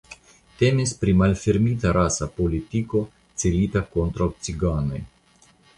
Temis pri malfermita rasa politiko celita kontraŭ ciganoj.